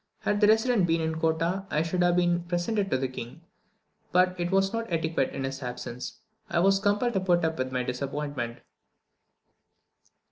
Had the resident been in Kottah I should have been presented to the king, but as it was not etiquette in his absence, I was compelled to put up with my disappointment.